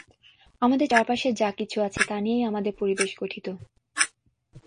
আমাদের চারপাশের যা কিছু আছে তা নিয়েই আমাদের পরিবেশ গঠিত।